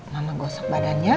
mama gosok badannya